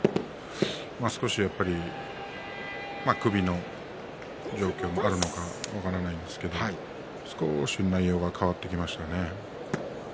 まあ、少し首の状況もあるのか分からないんですが少し内容が変わってきましたね。